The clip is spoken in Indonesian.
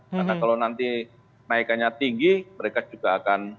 karena kalau nanti naikannya tinggi mereka juga akan